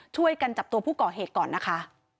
ช่วยกันจับตัวผู้ก่อเหตุก่อนนะคะ